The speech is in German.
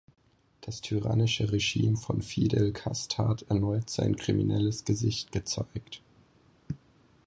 Das tyrannische Regime von Fidel Casthat erneut sein kriminelles Gesicht gezeigt.